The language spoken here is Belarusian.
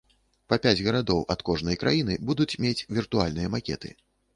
Па пяць гарадоў ад кожнай краіны будуць мець віртуальныя макеты.